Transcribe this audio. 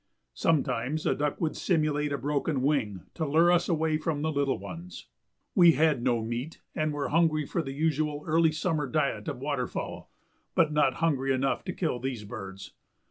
Sometimes a duck would simulate a broken wing to lure us away from the little ones. We had no meat and were hungry for the usual early summer diet of water fowl, but not hungry enough to kill these birds.